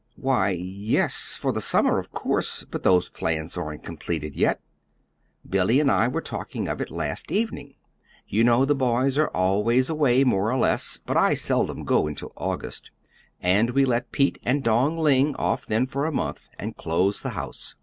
"Why, yes, for the summer, of course. But those plans aren't completed yet. Billy and I were talking of it last evening. You know the boys are always away more or less, but I seldom go until August, and we let Pete and Dong Ling off then for a month and close the house.